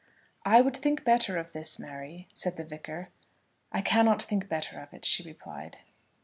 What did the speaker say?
"I would think better of this, Mary," said the Vicar. "I cannot think better of it," she replied.